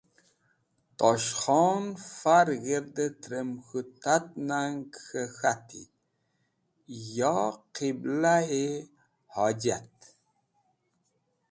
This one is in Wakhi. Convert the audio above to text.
Tosh Khon far g̃hirde trem k̃hũ tat nag k̃he k̃hati: “Ye Qiblah-e hojot!